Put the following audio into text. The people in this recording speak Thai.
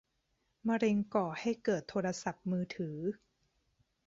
มะเร็งก่อให้เกิดโทรศัพท์มือถือ ?